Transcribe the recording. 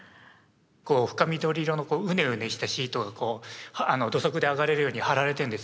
こう深緑色のうねうねしたシートが土足で上がれるように張られているんですよね。